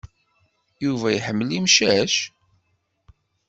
Yuba iḥemmel imcac?